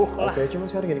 oke cuma sekarang gini